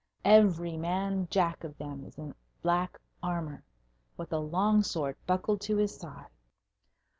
Every man jack of them is in black armour, with a long sword buckled to his side.